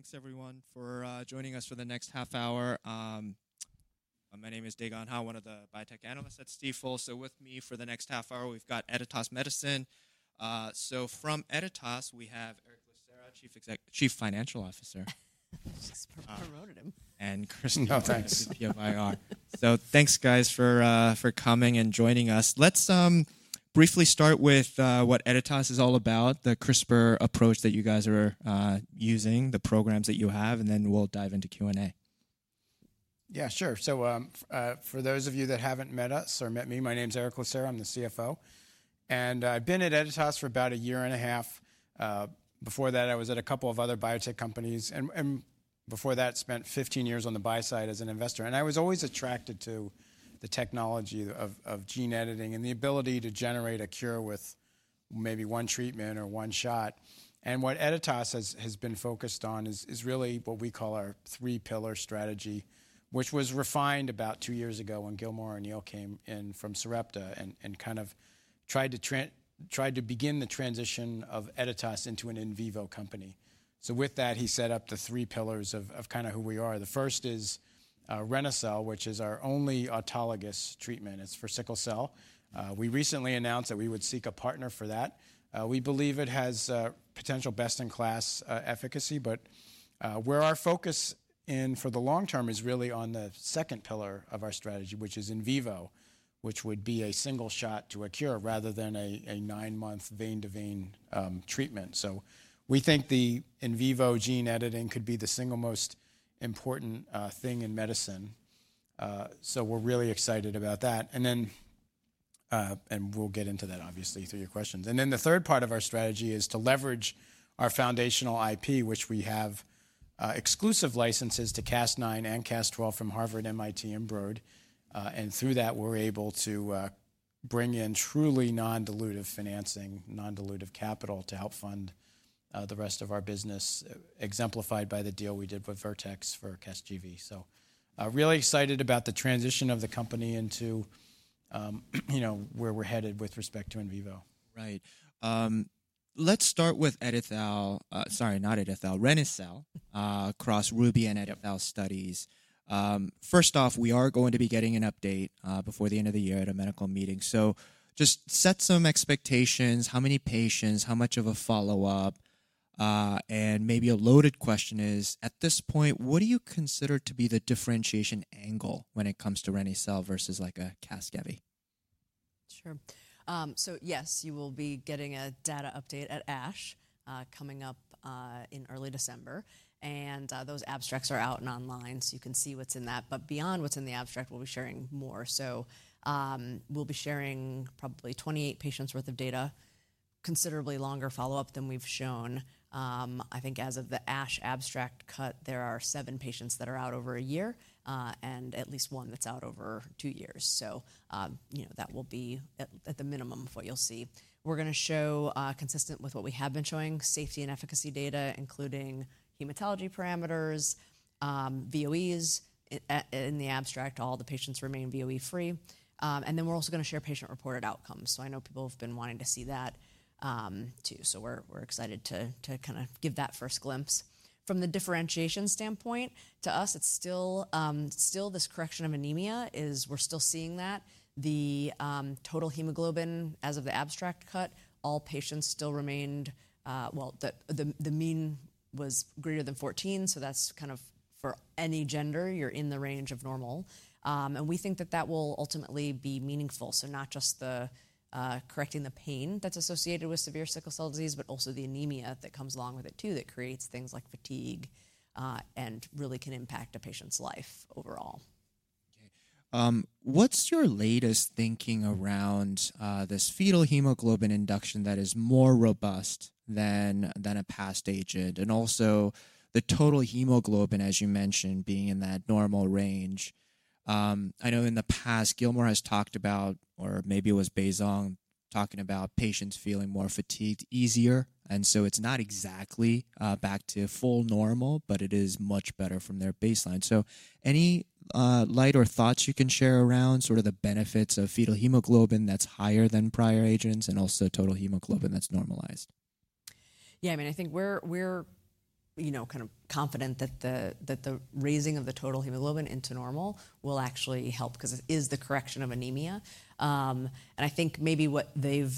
All right. Thanks, everyone, for joining us for the next half hour. My name is Dae Gon Ha, one of the biotech analysts at Stifel. So with me for the next half hour, we've got Editas Medicine. So from Editas, we have Eric Lucera, Chief Financial Officer. She's promoted him. Cristi, no thanks. Thanks, guys, for coming and joining us. Let's briefly start with what Editas is all about, the CRISPR approach that you guys are using, the programs that you have, and then we'll dive into Q&A. Yeah, sure. So for those of you that haven't met us or met me, my name is Erick Lucera. I'm the CFO. And I've been at Editas for about a year and a half. Before that, I was at a couple of other biotech companies. And before that, I spent 15 years on the buy side as an investor. And I was always attracted to the technology of gene editing and the ability to generate a cure with maybe one treatment or one shot. And what Editas has been focused on is really what we call our three-pillar strategy, which was refined about two years ago when Gilmore O'Neill came in from Sarepta and kind of tried to begin the transition of Editas into an in vivo company. So with that, he set up the three pillars of kind of who we are. The first is reni-cel, which is our only autologous treatment. It's for sickle cell. We recently announced that we would seek a partner for that. We believe it has potential best-in-class efficacy. But where our focus is for the long term is really on the second pillar of our strategy, which is in vivo, which would be a single shot to a cure rather than a nine-month vein-to-vein treatment. So we think the in vivo gene editing could be the single most important thing in medicine. So we're really excited about that. And we'll get into that, obviously, through your questions. And then the third part of our strategy is to leverage our foundational IP, which we have exclusive licenses to Cas9 and Cas12 from Harvard, MIT, and Broad. Through that, we're able to bring in truly non-dilutive financing, non-dilutive capital to help fund the rest of our business, exemplified by the deal we did with Vertex for CASGEVY. Really excited about the transition of the company into where we're headed with respect to in vivo. Right. Let's start with EdiTHAL, sorry, not EdiTHAL, reni-cel across RUBY and EdiTHAL studies. First off, we are going to be getting an update before the end of the year at a medical meeting. So just set some expectations, how many patients, how much of a follow-up. And maybe a loaded question is, at this point, what do you consider to be the differentiation angle when it comes to reni-cel versus like a CASGEVY? Sure. So yes, you will be getting a data update at ASH coming up in early December, and those abstracts are out and online, so you can see what's in that, but beyond what's in the abstract, we'll be sharing more, so we'll be sharing probably 28 patients' worth of data, considerably longer follow-up than we've shown. I think as of the ASH abstract cut, there are seven patients that are out over a year and at least one that's out over two years, so that will be at the minimum of what you'll see. We're going to show, consistent with what we have been showing, safety and efficacy data, including hematology parameters, VOEs in the abstract. All the patients remain VOE-free, and then we're also going to share patient-reported outcomes, so I know people have been wanting to see that too. So we're excited to kind of give that first glimpse. From the differentiation standpoint, to us, it's still this correction of anemia. We're still seeing that. The total hemoglobin as of the abstract cut, all patients still remained well, the mean was greater than 14. So that's kind of for any gender, you're in the range of normal. And we think that that will ultimately be meaningful. So not just correcting the pain that's associated with severe sickle cell disease, but also the anemia that comes along with it too, that creates things like fatigue and really can impact a patient's life overall. What's your latest thinking around this fetal hemoglobin induction that is more robust than a past agent, and also the total hemoglobin, as you mentioned, being in that normal range? I know in the past, Gilmore has talked about, or maybe it was Baisong talking about patients feeling more fatigued easier, and so it's not exactly back to full normal, but it is much better from their baseline, so any light or thoughts you can share around sort of the benefits of fetal hemoglobin that's higher than prior agents and also total hemoglobin that's normalized? Yeah, I mean, I think we're kind of confident that the raising of the total hemoglobin into normal will actually help because it is the correction of anemia, and I think maybe what they've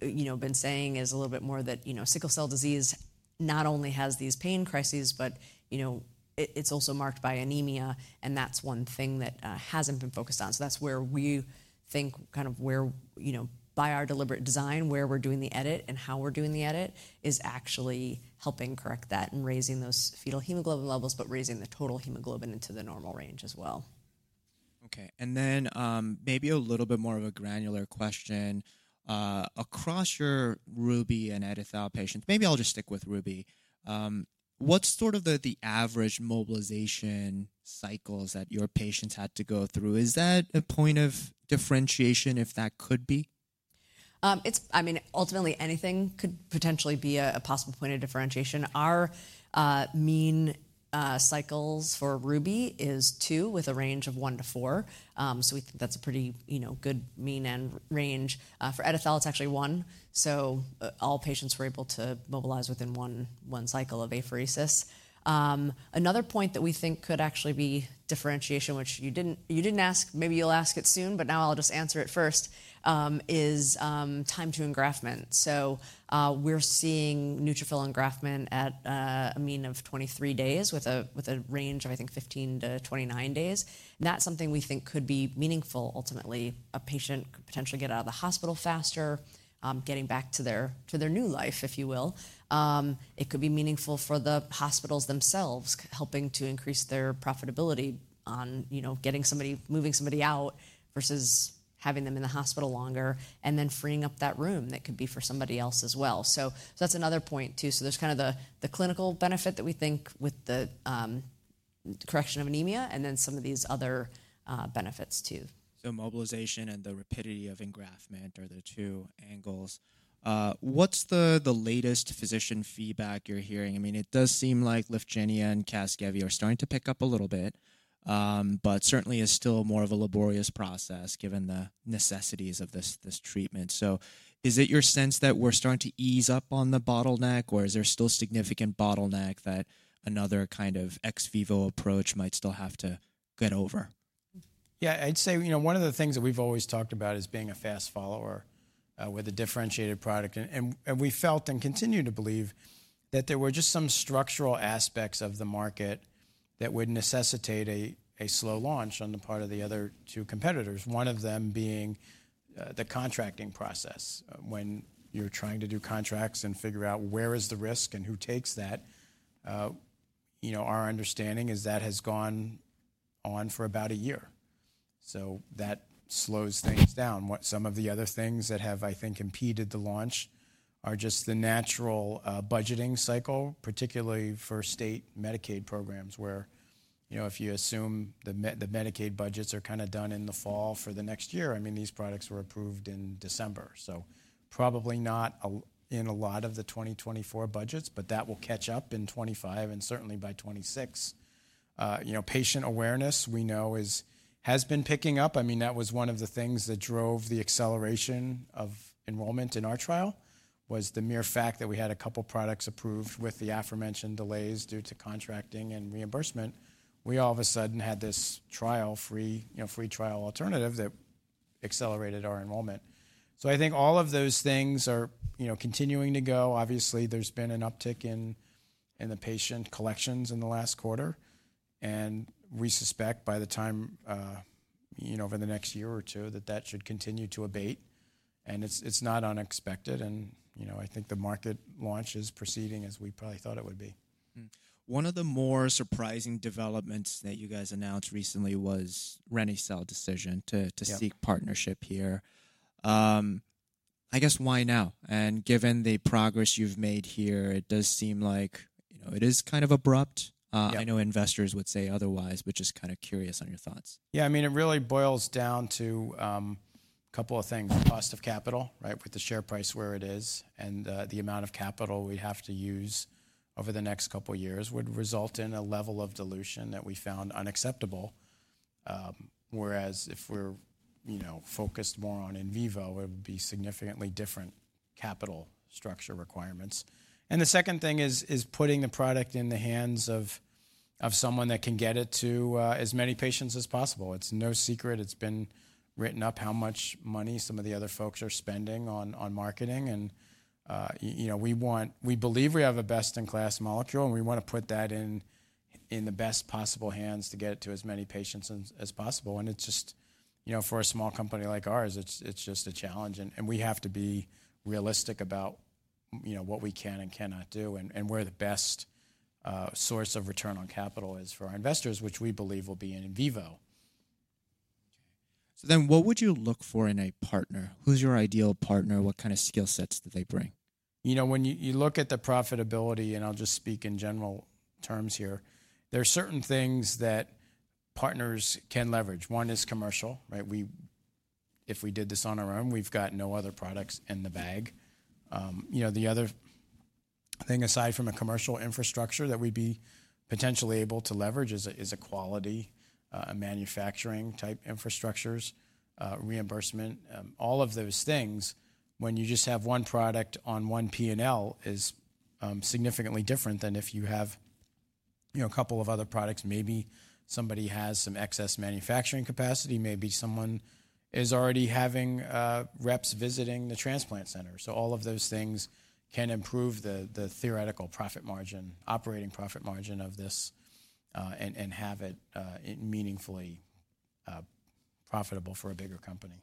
been saying is a little bit more that sickle cell disease not only has these pain crises, but it's also marked by anemia, and that's one thing that hasn't been focused on, so that's where we think kind of by our deliberate design, where we're doing the edit and how we're doing the edit is actually helping correct that and raising those fetal hemoglobin levels, but raising the total hemoglobin into the normal range as well. Okay. And then maybe a little bit more of a granular question. Across your RUBY and EdiTHAL patients, maybe I'll just stick with RUBY. What's sort of the average mobilization cycles that your patients had to go through? Is that a point of differentiation, if that could be? I mean, ultimately, anything could potentially be a possible point of differentiation. Our mean cycles for RUBY is two with a range of one to four. So we think that's a pretty good mean and range. For EdiTHAL, it's actually one. So all patients were able to mobilize within one cycle of apheresis. Another point that we think could actually be differentiation, which you didn't ask, maybe you'll ask it soon, but now I'll just answer it first, is time to engraftment. So we're seeing neutrophil engraftment at a mean of 23 days with a range of, I think, 15 to 29 days. And that's something we think could be meaningful. Ultimately, a patient could potentially get out of the hospital faster, getting back to their new life, if you will. It could be meaningful for the hospitals themselves, helping to increase their profitability on moving somebody out versus having them in the hospital longer and then freeing up that room that could be for somebody else as well. So that's another point too. So there's kind of the clinical benefit that we think with the correction of anemia and then some of these other benefits too. So mobilization and the rapidity of engraftment are the two angles. What's the latest physician feedback you're hearing? I mean, it does seem like LYFGENIA and CASGEVY are starting to pick up a little bit, but certainly is still more of a laborious process given the necessities of this treatment. So is it your sense that we're starting to ease up on the bottleneck, or is there still significant bottleneck that another kind of ex vivo approach might still have to get over? Yeah, I'd say one of the things that we've always talked about is being a fast follower with a differentiated product, and we felt and continue to believe that there were just some structural aspects of the market that would necessitate a slow launch on the part of the other two competitors, one of them being the contracting process. When you're trying to do contracts and figure out where is the risk and who takes that, our understanding is that has gone on for about a year, so that slows things down. Some of the other things that have, I think, impeded the launch are just the natural budgeting cycle, particularly for state Medicaid programs, where if you assume the Medicaid budgets are kind of done in the fall for the next year, I mean, these products were approved in December. So probably not in a lot of the 2024 budgets, but that will catch up in 2025 and certainly by 2026. Patient awareness, we know, has been picking up. I mean, that was one of the things that drove the acceleration of enrollment in our trial, was the mere fact that we had a couple of products approved with the aforementioned delays due to contracting and reimbursement. We all of a sudden had this trial-free alternative that accelerated our enrollment. So I think all of those things are continuing to go. Obviously, there's been an uptick in the patient collections in the last quarter. And we suspect by the time over the next year or two that that should continue to abate. And it's not unexpected. And I think the market launch is proceeding as we probably thought it would be. One of the more surprising developments that you guys announced recently was reni-cel's decision to seek partnership here. I guess, why now? And given the progress you've made here, it does seem like it is kind of abrupt. I know investors would say otherwise, but just kind of curious on your thoughts. Yeah, I mean, it really boils down to a couple of things. Cost of capital, right, with the share price where it is and the amount of capital we'd have to use over the next couple of years would result in a level of dilution that we found unacceptable. Whereas if we're focused more on in vivo, it would be significantly different capital structure requirements. And the second thing is putting the product in the hands of someone that can get it to as many patients as possible. It's no secret. It's been written up how much money some of the other folks are spending on marketing. And we believe we have a best-in-class molecule, and we want to put that in the best possible hands to get it to as many patients as possible. And it's just for a small company like ours, it's just a challenge. We have to be realistic about what we can and cannot do and where the best source of return on capital is for our investors, which we believe will be in vivo. So then what would you look for in a partner? Who's your ideal partner? What kind of skill sets do they bring? When you look at the profitability, and I'll just speak in general terms here, there are certain things that partners can leverage. One is commercial. If we did this on our own, we've got no other products in the bag. The other thing, aside from a commercial infrastructure that we'd be potentially able to leverage, is a quality, a manufacturing-type infrastructures, reimbursement. All of those things, when you just have one product on one P&L, is significantly different than if you have a couple of other products. Maybe somebody has some excess manufacturing capacity. Maybe someone is already having reps visiting the transplant center. So all of those things can improve the theoretical profit margin, operating profit margin of this, and have it meaningfully profitable for a bigger company.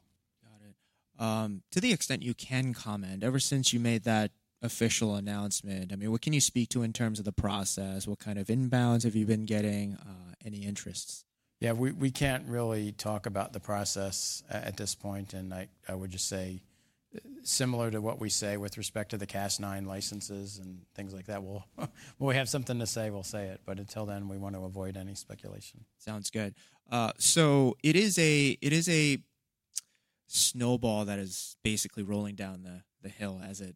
Got it. To the extent you can comment, ever since you made that official announcement, I mean, what can you speak to in terms of the process? What kind of inbounds have you been getting? Any interests? Yeah, we can't really talk about the process at this point. And I would just say, similar to what we say with respect to the Cas9 licenses and things like that, we'll have something to say, we'll say it. But until then, we want to avoid any speculation. Sounds good. So it is a snowball that is basically rolling down the hill as it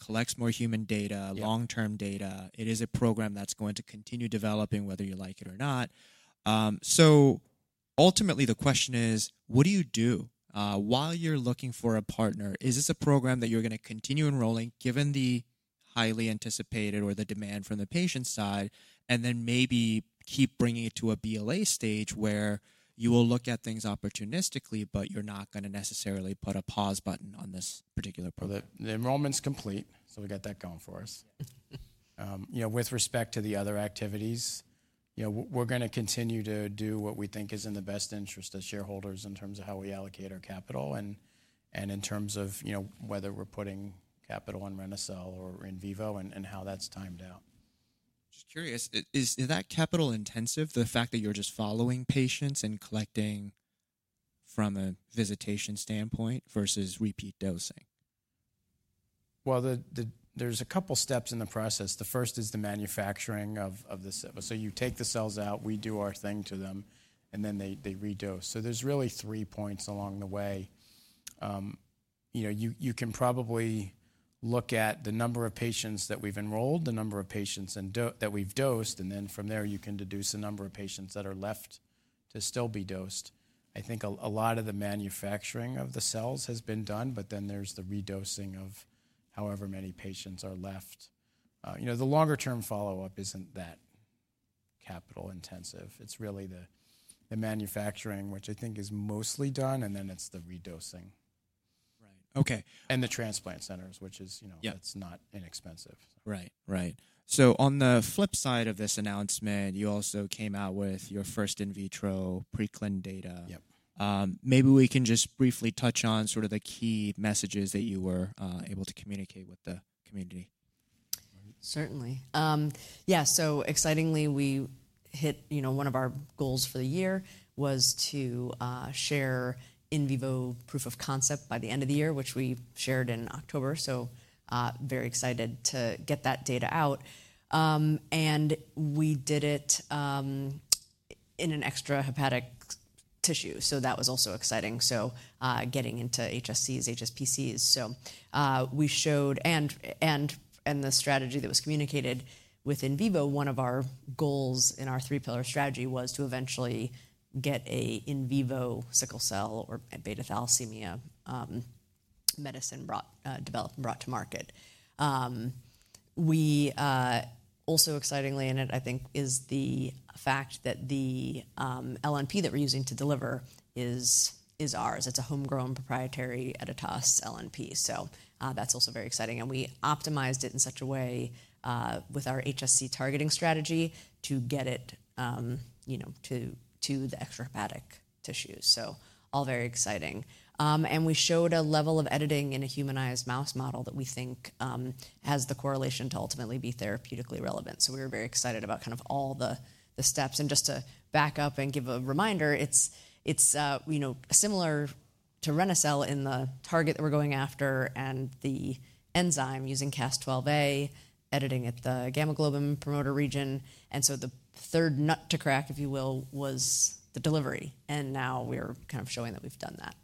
collects more human data, long-term data. It is a program that's going to continue developing, whether you like it or not. So ultimately, the question is, what do you do while you're looking for a partner? Is this a program that you're going to continue enrolling, given the highly anticipated or the demand from the patient side, and then maybe keep bringing it to a BLA stage where you will look at things opportunistically, but you're not going to necessarily put a pause button on this particular program? The enrollment's complete, so we got that going for us. With respect to the other activities, we're going to continue to do what we think is in the best interest of shareholders in terms of how we allocate our capital and in terms of whether we're putting capital on reni-cel or in vivo and how that's timed out. Just curious, is that capital intensive, the fact that you're just following patients and collecting from a visitation standpoint versus repeat dosing? There's a couple of steps in the process. The first is the manufacturing of the cells. So you take the cells out, we do our thing to them, and then they re-dose. So there's really three points along the way. You can probably look at the number of patients that we've enrolled, the number of patients that we've dosed, and then from there, you can deduce the number of patients that are left to still be dosed. I think a lot of the manufacturing of the cells has been done, but then there's the re-dosing of however many patients are left. The longer-term follow-up isn't that capital-intensive. It's really the manufacturing, which I think is mostly done, and then it's the re-dosing. Right. Okay. The transplant centers, that's not inexpensive. Right, right, so on the flip side of this announcement, you also came out with your first in vitro preclinical data. Maybe we can just briefly touch on sort of the key messages that you were able to communicate with the community. Certainly. Yeah, so excitingly, we hit one of our goals for the year, which was to share in vivo proof of concept by the end of the year, which we shared in October. So very excited to get that data out. And we did it in an extrahepatic tissue. So that was also exciting. So getting into HSCs, HSPCs. So we showed, and the strategy that was communicated with in vivo, one of our goals in our three-pillar strategy was to eventually get an in vivo sickle cell or beta thalassemia medicine developed and brought to market. Also excitingly in it, I think, is the fact that the LNP that we're using to deliver is ours. It's a homegrown proprietary Editas LNP. So that's also very exciting. And we optimized it in such a way with our HSC targeting strategy to get it to the extrahepatic tissues. So all very exciting. And we showed a level of editing in a humanized mouse model that we think has the correlation to ultimately be therapeutically relevant. So we were very excited about kind of all the steps. And just to back up and give a reminder, it's similar to reni-cel in the target that we're going after and the enzyme using Cas12a, editing at the gamma-globin promoter region. And so the third nut to crack, if you will, was the delivery. And now we're kind of showing that we've done that.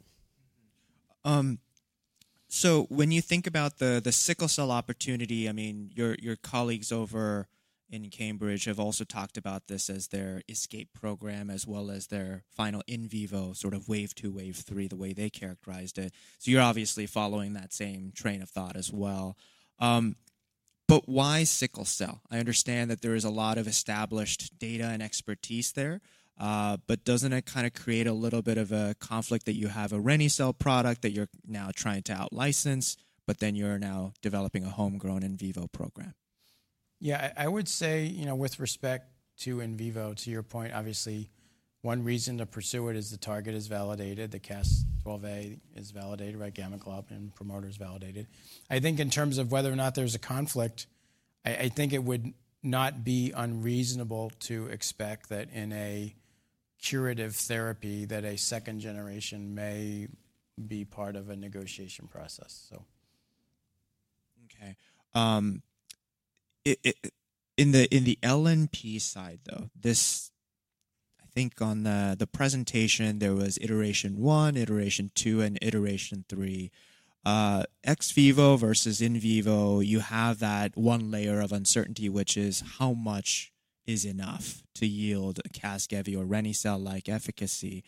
So when you think about the sickle cell opportunity, I mean, your colleagues over in Cambridge have also talked about this as their ex vivo program as well as their in vivo, sort of wave two, wave three, the way they characterized it. So you're obviously following that same train of thought as well. But why sickle cell? I understand that there is a lot of established data and expertise there, but doesn't it kind of create a little bit of a conflict that you have a reni-cel product that you're now trying to out-license, but then you're now developing a homegrown in vivo program? Yeah, I would say with respect to in vivo, to your point, obviously, one reason to pursue it is the target is validated. The Cas12a is validated by gamma-globin and promoters validated. I think in terms of whether or not there's a conflict, I think it would not be unreasonable to expect that in a curative therapy that a second generation may be part of a negotiation process, so. Okay. In the LNP side, though, I think on the presentation, there was iteration one, iteration two, and iteration three. Ex vivo versus in vivo, you have that one layer of uncertainty, which is how much is enough to yield CASGEVY or reni-cel-like efficacy.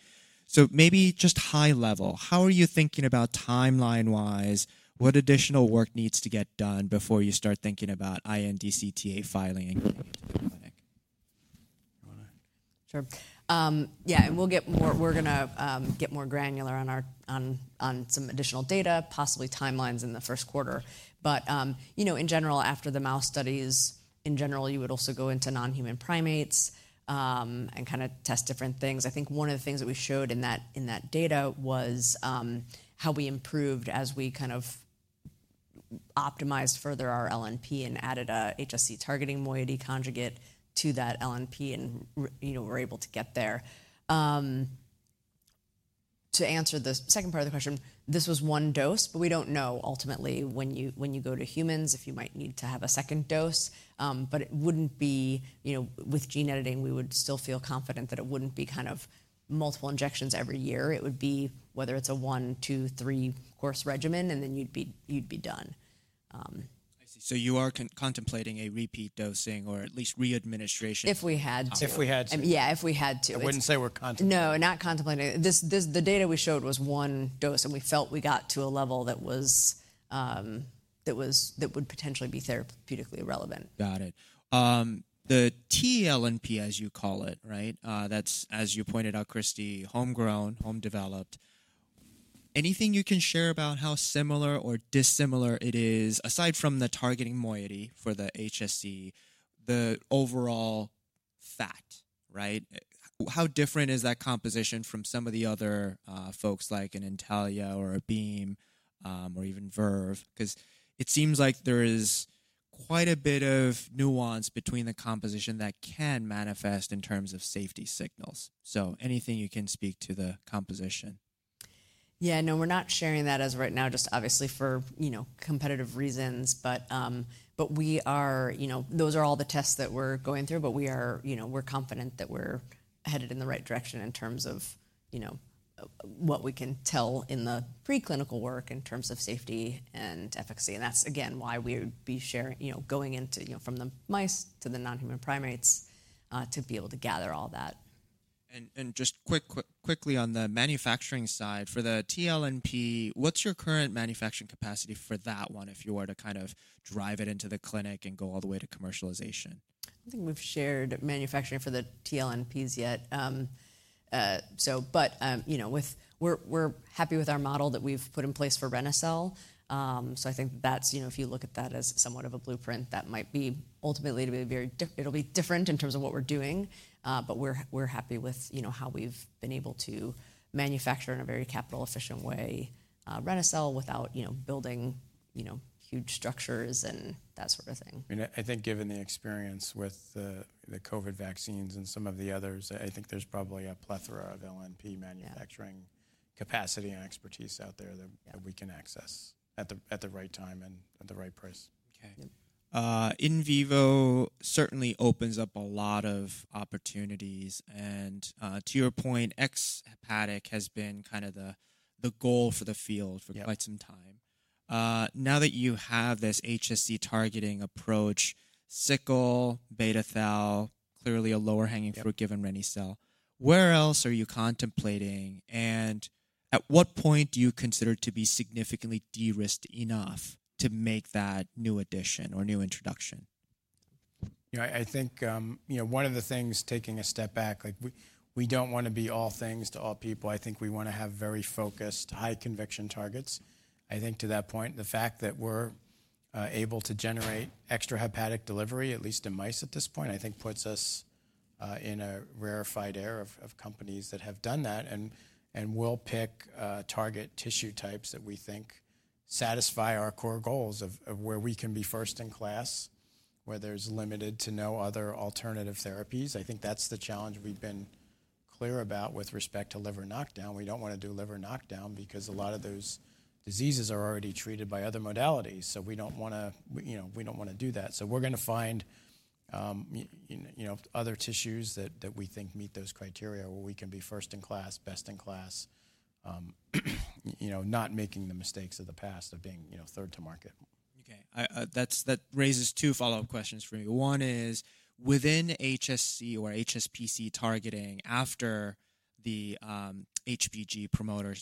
So maybe just high level, how are you thinking about timeline-wise? What additional work needs to get done before you start thinking about IND/CTA filing and getting it to the clinic? Sure. Yeah, and we'll get more granular on some additional data, possibly timelines in the first quarter. But in general, after the mouse studies, you would also go into non-human primates and kind of test different things. I think one of the things that we showed in that data was how we improved as we kind of optimized further our LNP and added a HSC targeting moiety conjugate to that LNP and were able to get there. To answer the second part of the question, this was one dose, but we don't know ultimately when you go to humans if you might need to have a second dose. But it wouldn't be with gene editing; we would still feel confident that it wouldn't be kind of multiple injections every year. It would be whether it's a one, two, three-course regimen, and then you'd be done. You are contemplating a repeat dosing or at least readministration. If we had to. Yeah, if we had to. I wouldn't say we're contemplating. No, not contemplating. The data we showed was one dose, and we felt we got to a level that would potentially be therapeutically relevant. Got it. The tLNP, as you call it, right? That's, as you pointed out, Cristi, homegrown, home-developed. Anything you can share about how similar or dissimilar it is, aside from the targeting moiety for the HSC, the overall fat, right? How different is that composition from some of the other folks like an Intellia or a Beam or even Verve? Because it seems like there is quite a bit of nuance between the composition that can manifest in terms of safety signals. So anything you can speak to the composition? Yeah, no, we're not sharing that as of right now, just obviously for competitive reasons. But those are all the tests that we're going through, but we're confident that we're headed in the right direction in terms of what we can tell in the preclinical work in terms of safety and efficacy. And that's, again, why we would be going into from the mice to the non-human primates to be able to gather all that. Just quickly on the manufacturing side, for the tLNP, what's your current manufacturing capacity for that one if you were to kind of drive it into the clinic and go all the way to commercialization? I don't think we've shared manufacturing for the tLNPs yet. But we're happy with our model that we've put in place for reni-cel. So I think that if you look at that as somewhat of a blueprint, that might be ultimately it'll be different in terms of what we're doing. But we're happy with how we've been able to manufacture in a very capital-efficient way reni-cel without building huge structures and that sort of thing. I mean, I think given the experience with the COVID vaccines and some of the others, I think there's probably a plethora of LNP manufacturing capacity and expertise out there that we can access at the right time and at the right price. Okay. In vivo certainly opens up a lot of opportunities. And to your point, extrahepatic has been kind of the goal for the field for quite some time. Now that you have this HSC targeting approach, sickle, beta thal, clearly a lower hanging fruit given reni-cel. Where else are you contemplating? And at what point do you consider to be significantly de-risked enough to make that new addition or new introduction? I think one of the things, taking a step back, we don't want to be all things to all people. I think we want to have very focused, high-conviction targets. I think to that point, the fact that we're able to generate extrahepatic delivery, at least in mice at this point, I think puts us in a rarefied air of companies that have done that and will pick target tissue types that we think satisfy our core goals of where we can be first in class, where there's limited to no other alternative therapies. I think that's the challenge we've been clear about with respect to liver knockdown. We don't want to do liver knockdown because a lot of those diseases are already treated by other modalities. So we don't want to do that. So we're going to find other tissues that we think meet those criteria where we can be first in class, best in class, not making the mistakes of the past of being third to market. Okay. That raises two follow-up questions for me. One is, within HSC or HSPC targeting after the HBG promoter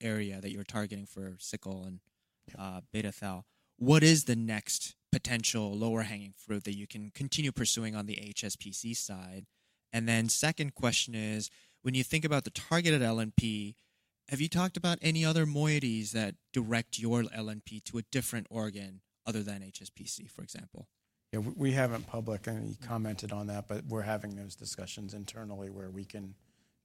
area that you're targeting for sickle and beta thal, what is the next potential lower hanging fruit that you can continue pursuing on the HSPC side? And then second question is, when you think about the targeted LNP, have you talked about any other moieties that direct your LNP to a different organ other than HSPC, for example? Yeah, we haven't publicly commented on that, but we're having those discussions internally where we can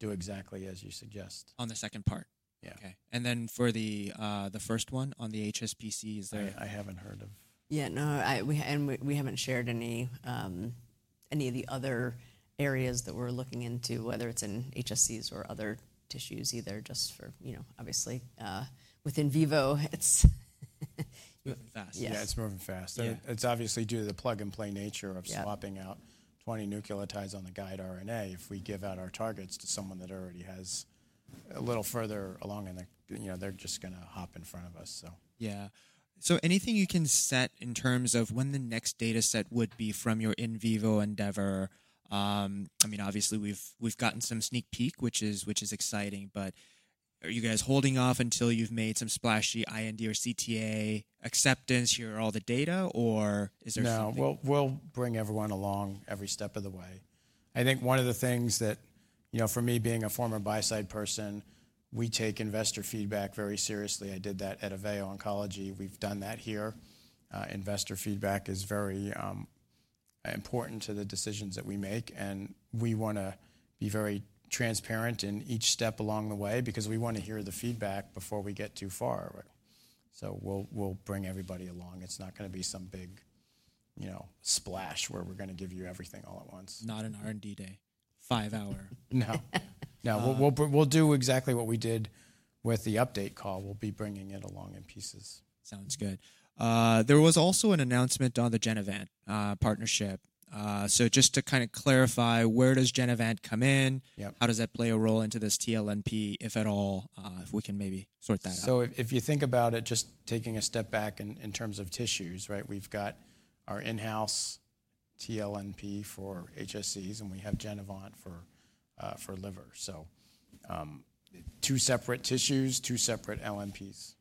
do exactly as you suggest. On the second part. Yeah. Okay. And then for the first one on the HSPC, is there? I haven't heard of. Yeah, no, and we haven't shared any of the other areas that we're looking into, whether it's in HSCs or other tissues, either just for, obviously, with in vivo. It's fast. Yeah, it's moving fast. It's obviously due to the plug-and-play nature of swapping out 20 nucleotides on the guide RNA. If we give out our targets to someone that already has a little further along in the, they're just going to hop in front of us, so. Yeah. So anything you can set in terms of when the next data set would be from your in vivo endeavor? I mean, obviously, we've gotten some sneak peek, which is exciting. But are you guys holding off until you've made some splashy IND or CTA acceptance, here are all the data, or is there something? No. We'll bring everyone along every step of the way. I think one of the things that, for me being a former buy-side person, we take investor feedback very seriously. I did that at Aveo Oncology. We've done that here. Investor feedback is very important to the decisions that we make, and we want to be very transparent in each step along the way because we want to hear the feedback before we get too far, so we'll bring everybody along. It's not going to be some big splash where we're going to give you everything all at once. Not an R&D day, five-hour. No. No, we'll do exactly what we did with the update call. We'll be bringing it along in pieces. Sounds good. There was also an announcement on the Genevant partnership. So just to kind of clarify, where does Genevant come in? How does that play a role into this tLNP, if at all? If we can maybe sort that out. So if you think about it, just taking a step back in terms of tissues, right? We've got our in-house tLNP for HSCs, and we have Genevant for liver. So two separate tissues, two separate LNPs.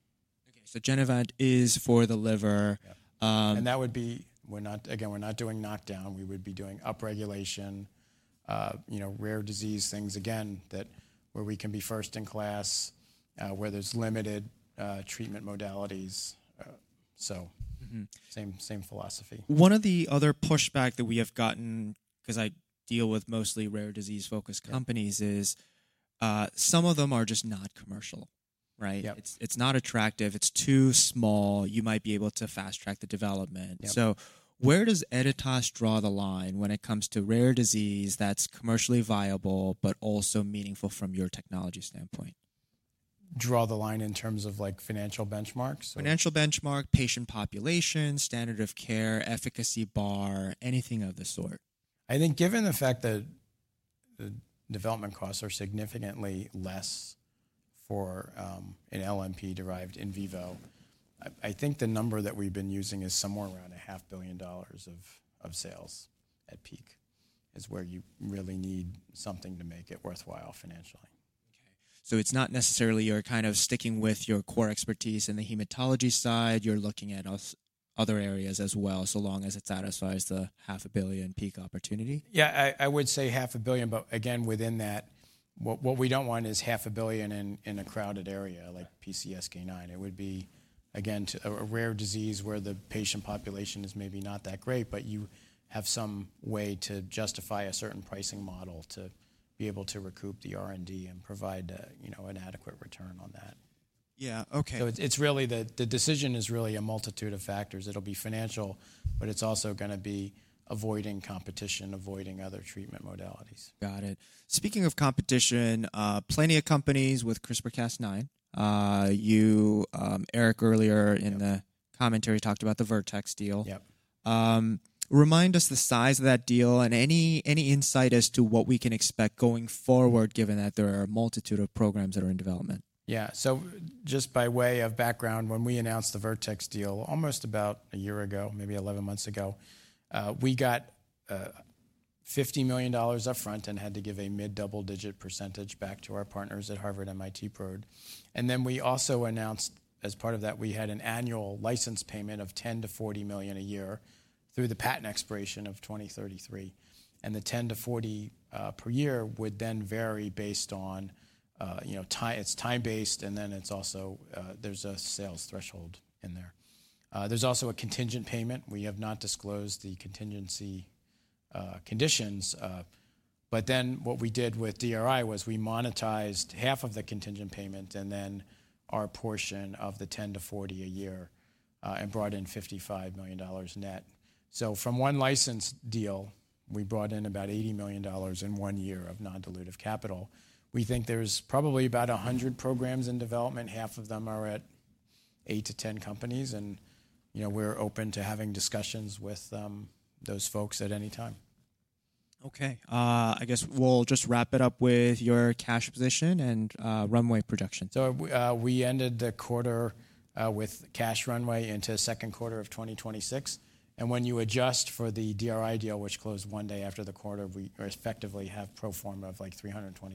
Okay. So Genevant is for the liver. And that would be, again, we're not doing knockdown. We would be doing upregulation, rare disease things, again, where we can be first in class, where there's limited treatment modalities. So same philosophy. One of the other pushback that we have gotten, because I deal with mostly rare disease-focused companies, is some of them are just not commercial, right? It's not attractive. It's too small. You might be able to fast-track the development. So where does Editas draw the line when it comes to rare disease that's commercially viable but also meaningful from your technology standpoint? Draw the line in terms of financial benchmarks? Financial benchmark, patient population, standard of care, efficacy bar, anything of the sort. I think given the fact that the development costs are significantly less for an LNP derived in vivo, I think the number that we've been using is somewhere around $500 million of sales at peak is where you really need something to make it worthwhile financially. OK. So it's not necessarily you're kind of sticking with your core expertise in the hematology side. You're looking at other areas as well, so long as it satisfies the $500 million peak opportunity. Yeah, I would say $500 million. But again, within that, what we don't want is $500 million in a crowded area like PCSK9. It would be, again, a rare disease where the patient population is maybe not that great, but you have some way to justify a certain pricing model to be able to recoup the R&D and provide an adequate return on that. Yeah, OK. So it's really the decision is really a multitude of factors. It'll be financial, but it's also going to be avoiding competition, avoiding other treatment modalities. Got it. Speaking of competition, plenty of companies with CRISPR/Cas9. Eric earlier in the commentary talked about the Vertex deal. Yep. Remind us the size of that deal and any insight as to what we can expect going forward, given that there are a multitude of programs that are in development? Yeah. So just by way of background, when we announced the Vertex deal almost about a year ago, maybe 11 months ago, we got $50 million upfront and had to give a mid-double-digit % back to our partners at Harvard, MIT, Broad. And then we also announced, as part of that, we had an annual license payment of $10 million-$40 million a year through the patent expiration of 2033. And the $10 million-$40 million per year would then vary based on its time-based, and then there's a sales threshold in there. There's also a contingent payment. We have not disclosed the contingency conditions. But then what we did with DRI was we monetized half of the contingent payment and then our portion of the $10 million-$40 million a year and brought in $55 million net. From one license deal, we brought in about $80 million in one year of non-dilutive capital. We think there's probably about 100 programs in development. Half of them are at 8 to 10 companies. We're open to having discussions with those folks at any time. OK. I guess we'll just wrap it up with your cash position and runway projections. We ended the quarter with cash runway into second quarter of 2026. When you adjust for the DRI deal, which closed one day after the quarter, we effectively have pro forma of like $320 million.